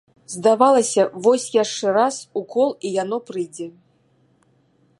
Здавалася, вось яшчэ раз укол і яно прыйдзе.